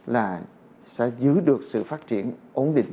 là sẽ giữ được sự phát triển ổn định